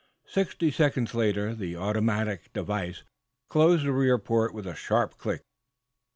Sixty seconds later the automatic device closed the rear port with a sharp click.